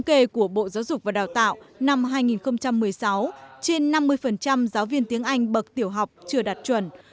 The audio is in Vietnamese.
thống kê của bộ giáo dục và đào tạo năm hai nghìn một mươi sáu trên năm mươi giáo viên tiếng anh bậc tiểu học chưa đạt chuẩn